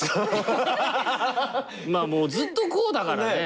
まあもうずっとこうだからね。